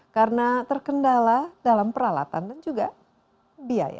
karena terkendala dalam peralatan dan juga biaya